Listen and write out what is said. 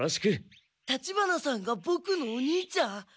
立花さんがボクのお兄ちゃん。